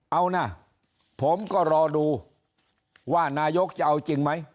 เอานะผมก็รอดูว่านายกจะเอาจริงไหม